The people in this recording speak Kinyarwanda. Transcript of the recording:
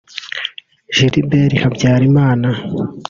Gilbert Habyarimana